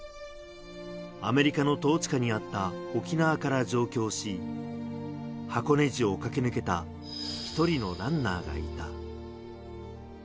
アメリカの統治下にあった沖縄から上京し、箱根路を駆け抜けた１人のランナーがいた。